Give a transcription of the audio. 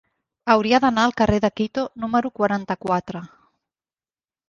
Hauria d'anar al carrer de Quito número quaranta-quatre.